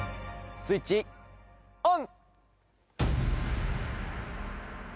スイッチオン！